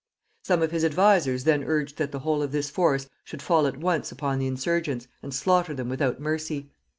Some of his advisers then urged that the whole of this force should fall at once upon the insurgents, and slaughter them without mercy.